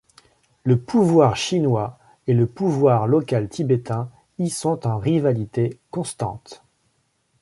Le pouvoir chinois et le pouvoir local tibétain y sont en rivalité constante.